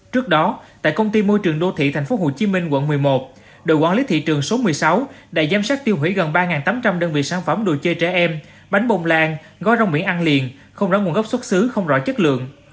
trước đó tại công ty môi trường đô thị tp hcm quận một mươi một đội quản lý thị trường số một mươi sáu đã giám sát tiêu hủy gần ba tám trăm linh đơn vị sản phẩm đồ chơi trẻ em bánh bồng làng gói rong miệng ăn liền không rõ nguồn gốc xuất xứ không rõ chất lượng